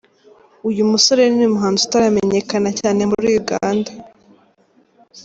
Uyu musore ni umuhanzi utaramenyekana cyane muri Uganda.